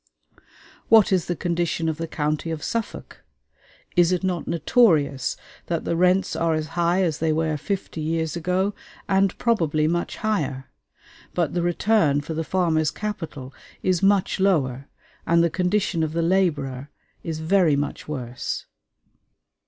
What is the condition of the county of Suffolk? Is it not notorious that the rents are as high as they were fifty years ago, and probably much higher? But the return for the farmer's capital is much lower, and the condition of the laborer is very much worse.